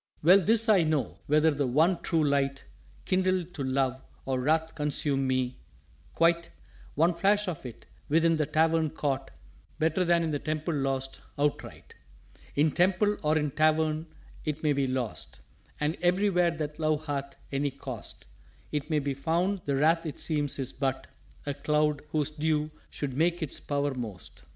"_Well, this I know; whether the one True Light Kindle to Love, or Wrath consume me, quite, One flash of it within the Tavern caught Better than in the Temple lost outright._" "In Temple or in Tavern 't may be lost. And everywhere that Love hath any Cost It may be found; the Wrath it seems is but A Cloud whose Dew should make its power most."